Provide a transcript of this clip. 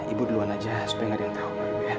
ibu duluan aja supaya nggak ada yang tahu